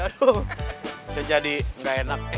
bisa jadi gak enak